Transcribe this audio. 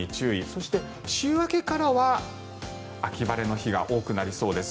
そして、週明けからは秋晴れの日が多くなりそうです。